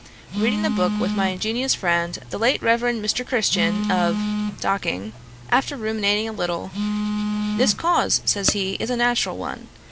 Reading the book with my ingenious friend, the late Reverend Mr. Christian, of Docking after ruminating a little, "The cause, (says he,) is a natural one.